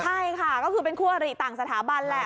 ใช่ค่ะก็คือเป็นคู่อริต่างสถาบันแหละ